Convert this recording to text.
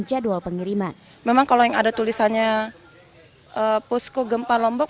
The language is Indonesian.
memang kalau yang ada tulisannya posko gempa lombok